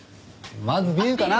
まずビールかな。